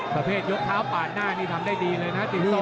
ประเภทยกเท้าปาดหน้านี่ทำได้ดีเลยนะติดต่อ